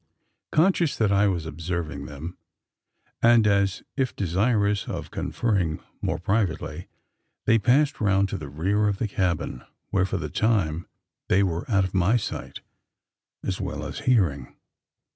Conscious that I was observing them and as if desirous of conferring more privately they passed round to the rear of the cabin; where for the time they were out of my sight, as well as hearing.